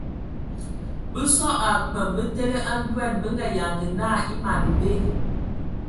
Bə soe a kpəm bətele a ndoan bə nga yanga na e man be.